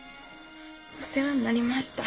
お世話になりました。